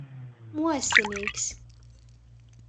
Muosinīks.